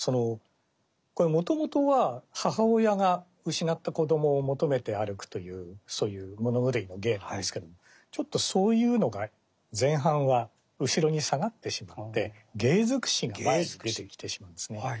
これもともとは母親が失った子供を求めて歩くというそういう物狂いの芸なんですけれどちょっとそういうのが前半は後ろに下がってしまって芸尽くしが前に出てきてしまうんですね。